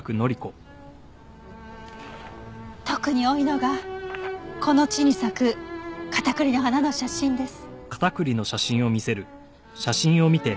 特に多いのがこの地に咲くカタクリの花の写真です。